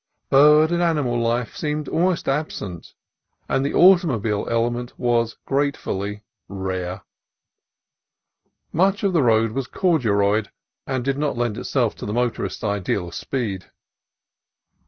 Bird and animal life seemed almost absent, and the automobile element was gratefully rare. Much of the road was "corduroyed," and did not lend itself to the motorist's ideal of speed.